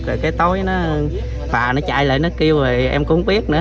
rồi cái tối nó bà nó chạy lại nó kêu rồi em cũng không biết nữa